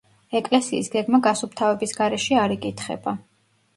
ეკლესიის გეგმა გასუფთავების გარეშე არ იკითხება.